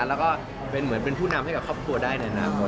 แล้วก็เป็นเหมือนเป็นผู้นำให้กับครอบครัวได้ในอนาคต